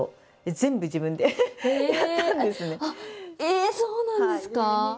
ええそうなんですか！